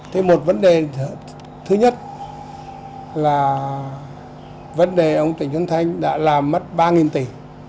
thế một vấn đề thứ nhất là vấn đề ông trịnh xuân thanh đã làm mất ba tỷ